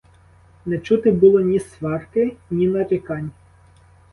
Не чути було ні сварки, ні нарікань.